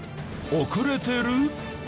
遅れてる？